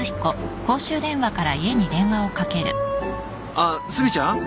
あっ須美ちゃん。